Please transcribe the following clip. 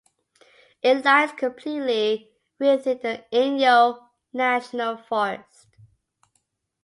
It lies completely within the Inyo National Forest.